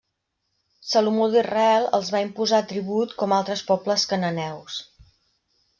Salomó d'Israel els va imposar tribut com altres pobles cananeus.